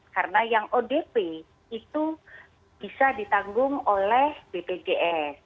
karena yang odp itu bisa ditanggung oleh bpjs